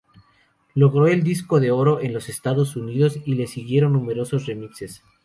Logró el disco de oro en los Estados Unidos y le siguieron numerosos remixes.